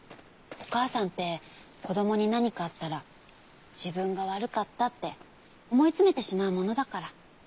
お母さんって子どもに何かあったら自分が悪かったって思いつめてしまうものだから。